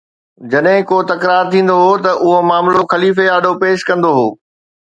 جڏهن ڪو تڪرار ٿيندو هو ته اهو معاملو خليفي آڏو پيش ڪندو هو